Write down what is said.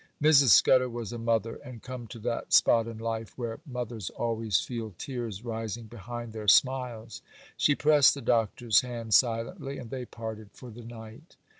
Mrs. Scudder was a mother, and come to that spot in life where mothers always feel tears rising behind their smiles. She pressed the Doctor's hand, silently, and they parted for the night.